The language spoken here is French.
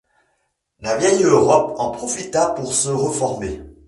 La vieille Europe en profita pour se reformer.